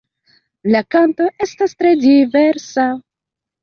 La kanto estas tre diversa.